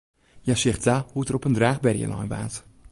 Hja seach ta hoe't er op in draachberje lein waard.